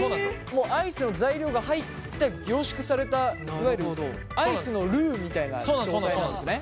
もうアイスの材料が入った凝縮されたいわゆるアイスのルウみたいな状態なんですね？